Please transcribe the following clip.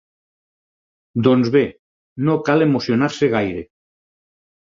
Doncs bé, no cal emocionar-se gaire.